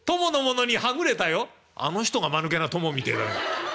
「あの人がまぬけな供みてえだね。